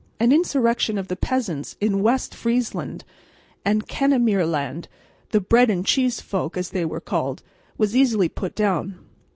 An insurrection of the peasants in West Friesland and Kennemerland the "Bread and Cheese Folk," as they were called was easily put down.